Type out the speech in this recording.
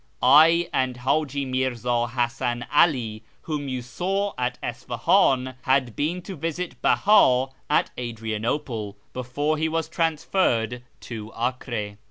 I and Haji Mirza Hasan 'Ali, whom you saw at Isfahan, had been to visit Beha at Adrianople before he was transferred to Acre.